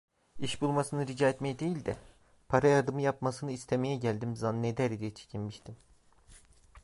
İş bulmasını rica etmeye değil de, para yardımı yapmasını istemeye geldim zanneder diye çekinmiştim.